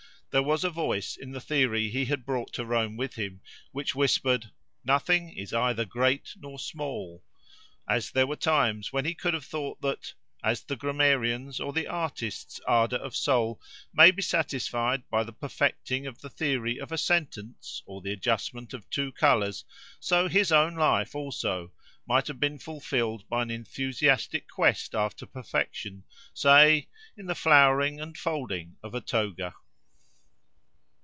There was a voice in the theory he had brought to Rome with him which whispered "nothing is either great nor small;" as there were times when he could have thought that, as the "grammarian's" or the artist's ardour of soul may be satisfied by the perfecting of the theory of a sentence, or the adjustment of two colours, so his own life also might have been fulfilled by an enthusiastic quest after perfection—say, in the flowering and folding of a toga.